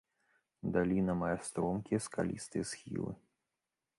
Даліна мае стромкія, скалістыя схілы.